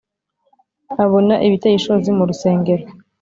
Abona ibiteye ishozi mu rusengero